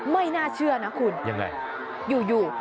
ไม่น่าเชื่อนะคุณยังไงอยู่